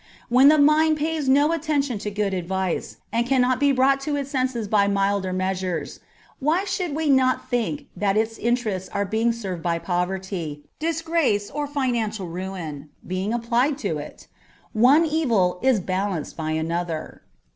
When the mind pays no attention to good advice, and cannot be brought to its senses by milder measures, why should we not think that its interests are being served by poverty, disgrace, or financial ruin being applied to it ? one evil is balanced by another.